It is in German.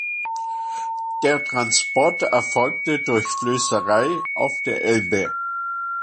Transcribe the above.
Der Transport erfolgte durch Flößerei auf der Elbe.